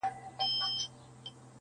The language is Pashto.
چي زه او ته راضي، ښځه غيم د قاضي.